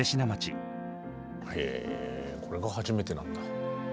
へえこれが初めてなんだ。